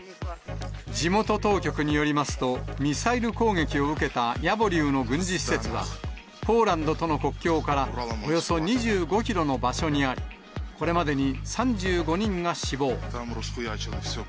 地元当局によりますと、ミサイル攻撃を受けたヤボリウの軍事施設は、ポーランドとの国境からおよそ２５キロの場所にあり、これまでに３５人が死亡。